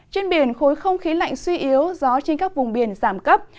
trên biển khối không khí lạnh suy yếu gió trên các vùng biển giảm cấp